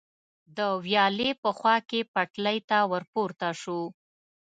د ویالې په خوا کې پټلۍ ته ور پورته شو.